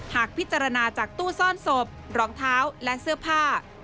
หากพิจารณาจากตู้ซ่อนศพรองเท้าและเสื้อผ้า